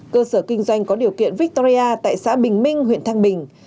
cơ sở kinh doanh có điều kiện victoria tại xã bình minh huyện thăng bình